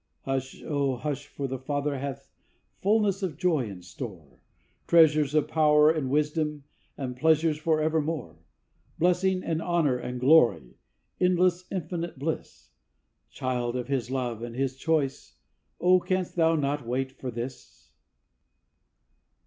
Hush! oh, hush! for the Father hath fullness of joy in store, Treasures of power and wisdom, and pleasures for evermore; Blessing and honor and glory, endless, infinite bliss; Child of His love and His choice, oh, canst thou not wait for this?